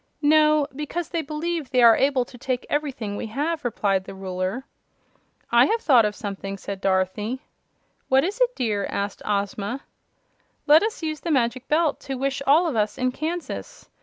"No, because they believe they are able to take everything we have," replied the Ruler. "I have thought of something," said Dorothy. "What is it, dear?" asked Ozma. "Let us use the Magic Belt to wish all of us in Kansas.